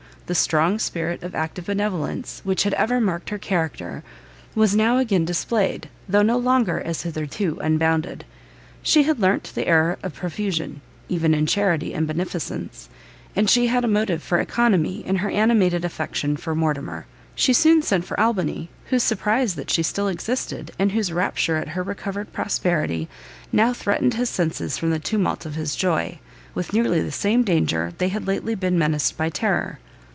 The strong spirit of active benevolence which had ever marked her character, was now again displayed, though no longer, as hitherto, unbounded. She had learnt the error of profusion, even in charity and beneficence; and she had a motive for oeconomy, in her animated affection for Mortimer. She soon sent for Albany, whose surprise that she still existed, and whose rapture at her recovered prosperity, now threatened his senses from the tumult of his joy, with nearly the same danger they had lately been menaced by terror.